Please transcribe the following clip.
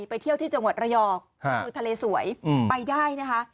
ไปเที่ยวที่จังหวัดระยองก็คือทะเลสวยไปได้นะคะ